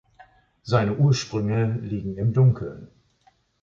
Seine Ursprünge liegen im Dunkeln.